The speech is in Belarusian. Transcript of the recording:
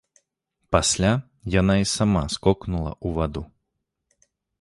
Пасля яна і сама скокнула ў ваду.